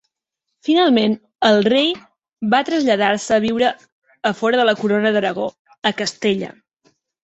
Finalment, el rei va traslladar-se a viure a fora de la Corona d'Aragó, a Castella.